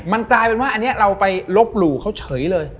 มันกลายเป็นว่าอันนี้เราไปลบหลู่เขาเฉยเลย